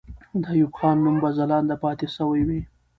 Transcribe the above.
د ایوب خان نوم به ځلانده پاتې سوی وي.